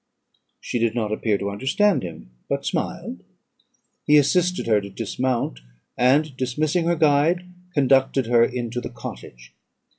She did not appear to understand him, but smiled. He assisted her to dismount, and dismissing her guide, conducted her into the cottage.